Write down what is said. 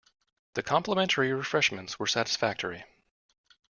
The complimentary refreshments were satisfactory.